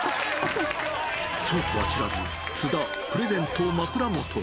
そうとは知らず、津田、プレゼントを枕元へ。